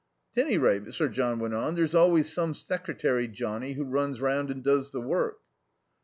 "'T any rate," Sir John went on, "there's always some secretary johnnie who runs round and does the work."